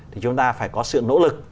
thì chúng ta phải có sự nỗ lực